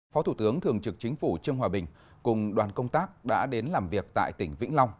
phó thủ tướng thường trực chính phủ trương hòa bình cùng đoàn công tác đã đến làm việc tại tỉnh vĩnh long